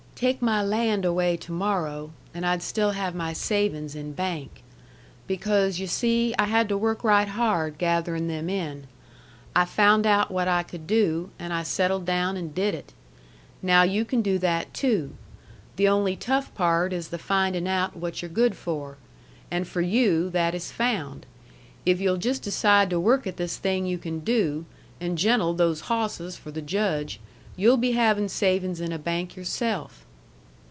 "Take my land away to morrow, and I'd still have my savings in bank. Because, you see, I had to work right hard gathering them in. I found out what I could do, and I settled down and did it. Now you can do that too. The only tough part is the finding out what you're good for. And for you, that is found. If you'll just decide to work at this thing you can do, and gentle those hawsses for the Judge, you'll be having savings in a bank yourself."